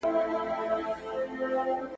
څېړونکی باید په خپله برخه کي نوي شیان زیات کړي.